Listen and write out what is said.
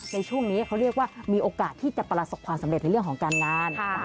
ในช่วงนี้เขาเรียกว่ามีโอกาสที่จะประสบความสำเร็จในเรื่องของการงาน